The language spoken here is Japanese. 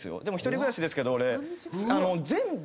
でも１人暮らしですけど俺。